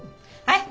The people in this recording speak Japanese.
はい！